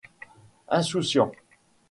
Insouciants !